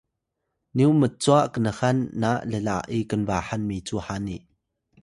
nyu mcwa knxan na lla’i knbahan micu hani